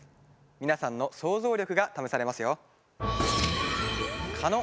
皆さんの想像力が試されますよ。